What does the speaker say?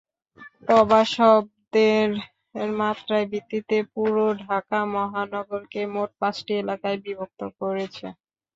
পবা শব্দের মাত্রার ভিত্তিতে পুরো ঢাকা মহানগরকে মোট পাঁচটি এলাকায় বিভক্ত করেছে।